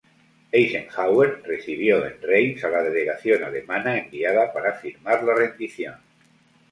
Eisenhower recibió en Reims a la delegación alemana enviada para firmar la rendición.